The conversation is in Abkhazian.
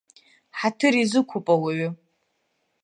Ҳаҭыр изиқәуп ауаҩы!